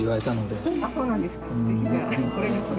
あそうなんですか。